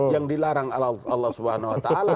yang dilarang allah swt